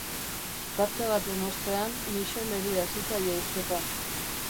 Tarte baten ostean Michelleri hasi zaio hizketan.